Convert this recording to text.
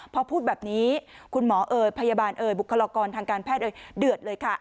พอพูดแบบนี้คุณหมอเอ่ยพยาบาลเอ่ยบุคลากรทางการแพทย์เอ่ยเดือดเลยค่ะ